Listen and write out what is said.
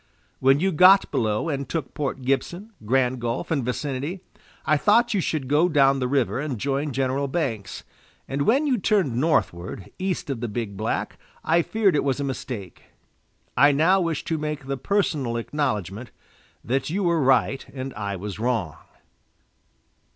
When you got below and took Port Gibson, Grand Gulf, and vicinity, I thought you should go down the river and join General Banks, and when you turned northward, east of the Big Black, I feared it was a mistake. I now wish to make the personal acknowledgment that you were right and I was wrong."